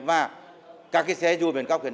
và các cái xe rù